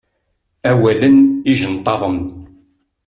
Awalen ijenṭaḍen.